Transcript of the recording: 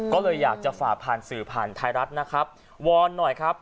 ก็เลยอยากจะฝากผ่านสื่อผ่านไทยรัฐนะครับวอนหน่อยครับ